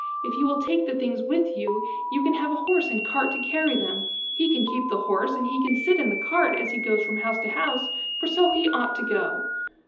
If you will take the things with you, you can have a horse and cart to carry them. He can keep the horse, and he can sit in the cart as he goes from house to house, for so he ought to go."